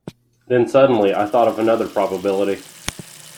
Then suddenly I thought of another probability.